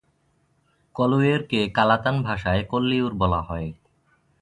কলুয়েরকে Catalan ভাষায় "Collioure" বলা হয়।